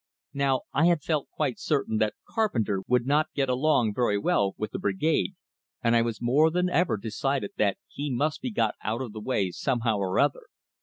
Now, I had felt quite certain that Carpenter would not get along very well with the Brigade, and I was more than ever decided that he must be got out of the way somehow or other.